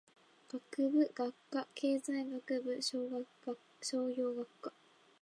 学部・学科経済学部商業学科